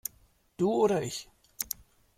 Du oder ich?